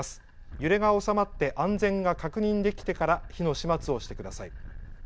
揺れが収まって、安全が確認できてから火の始末をしてください。